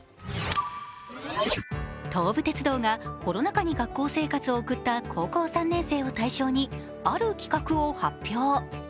東武鉄道がコロナ禍に学校生活を送った高校３年生を対象にある企画を発表。